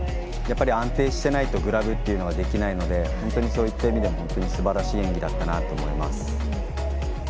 やっぱり安定していないとグラブというのはできないので本当にそういった意味でもすばらしい演技だったなと思います。